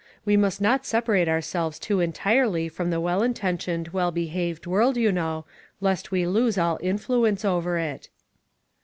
We must not separate ourselves too entirely from the well intentioned, well behaved world, you know, lest we lose all influence over it."